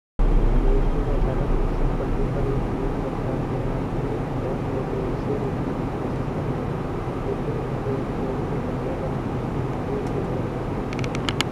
Ontario is one such province that uses an extensive method to define ecological units.